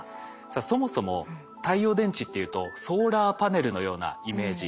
さあそもそも太陽電池っていうとソーラーパネルのようなイメージ。